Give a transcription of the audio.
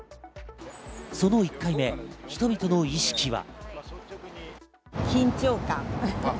その１回目、人々の意識は。